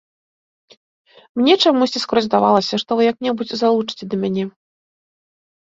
Мне чамусьці скрозь здавалася, што вы як-небудзь залучыце да мяне.